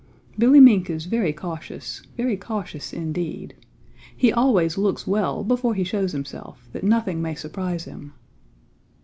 Billy Mink is very cautious, very cautious indeed. He always looks well before he shows himself, that nothing may surprise him.